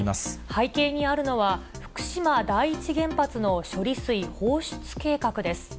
背景にあるのは、福島第一原発の処理水放出計画です。